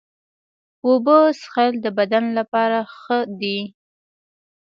اوبه څښل د بدن لپاره ښه دي.